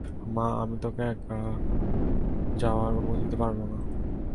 মা, আমি তোকে একা যাওয়ার অনুমতি দিতে পারবো না!